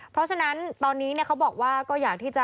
เพราะฉะนั้นตอนนี้เขาบอกว่า